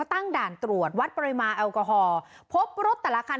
ตั้งด่านตรวจวัดปริมาณแอลกอฮอลพบรถแต่ละคัน